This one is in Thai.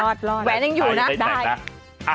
แว้นยังอยู่นะ